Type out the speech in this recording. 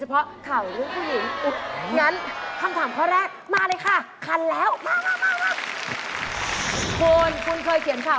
จริงแล้วเน้นของกินเพราะดูหุ่นเราสองคนนะคะ